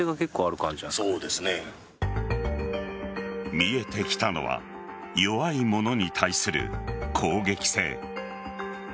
見えてきたのは弱い者に対する攻撃性。